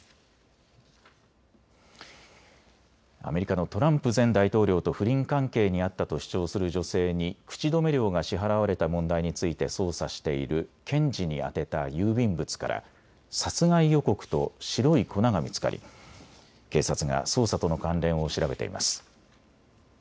アメリカのトランプ前大統領と不倫関係にあったと主張する女性に口止め料が支払われた問題について捜査している検事に宛てた郵便物から殺害予告と白い粉が見つかり警察が捜査との関連を調べています。